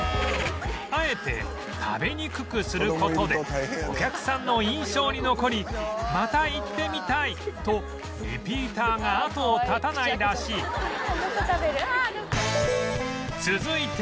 あえて食べにくくする事でお客さんの印象に残りまた行ってみたいとリピーターが後を絶たないらしい